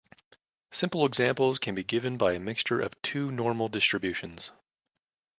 Simple examples can be given by a mixture of two normal distributions.